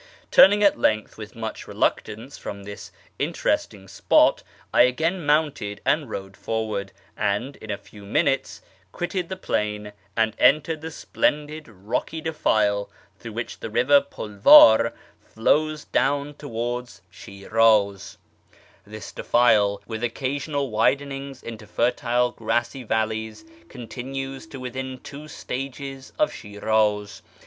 Turning at length with much reluctance from this interest ing spot, I again mounted and rode forward, and, in a few minutes, quitted the plain and entered the splendid rocky defile through which the river Pulvar flows down towards FROM ISFAHAN TO SH/rAZ 243 Sliiraz. This defile, with occasional widenings into fertile grassy valleys, continues to within two stages of Shir; iz.